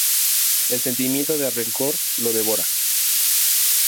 El sentimiento de rencor lo devora.